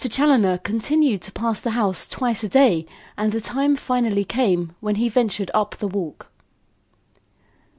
Challoner continued to pass the house twice a day and the time finally came when he ventured up the walk.